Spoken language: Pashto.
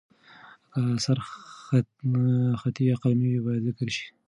که اثر خطي یا قلمي وي، باید ذکر شي.